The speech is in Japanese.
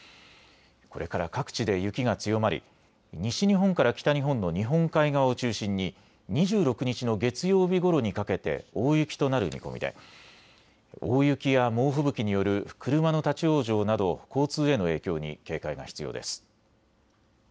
これから各地で雪が強まり西日本から北日本の日本海側を中心に２６日の月曜日ごろにかけて大雪となる見込みで大雪や猛吹雪による車の立往生など交通への影響に警戒が必要です。